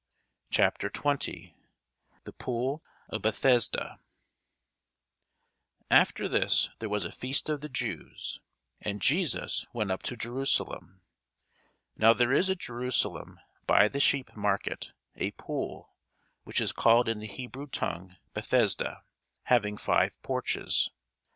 CHAPTER 20 THE POOL OF BETHESDA [Sidenote: St. John 5] AFTER this there was a feast of the Jews; and Jesus went up to Jerusalem. Now there is at Jerusalem by the sheep market a pool, which is called in the Hebrew tongue Bethesda, having five porches.